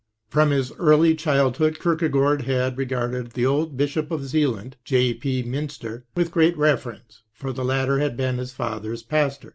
From his early childhood Kierkegaard bad re garded the oki bishop of Zealand, J. P. Mynster (q.v.), with great reverence, for the latter had been '' his father's pastor."